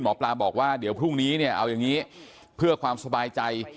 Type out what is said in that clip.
หมอปลาบอกว่าเดี๋ยวพรุ่งนี้เนี่ยเอาอย่างนี้เพื่อความสบายใจ